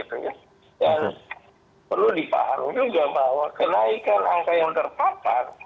dan perlu dipahami juga bahwa kenaikan angka yang terpapar